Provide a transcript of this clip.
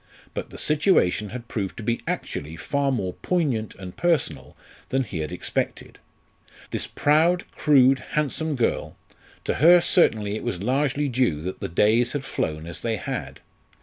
But the situation had proved to be actually far more poignant and personal than he had expected. This proud, crude, handsome girl to her certainly it was largely due that the days had flown as they had.